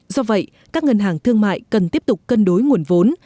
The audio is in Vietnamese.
do vậy các ngân hàng thương mại cần tiếp tục cân đối nguồn vốn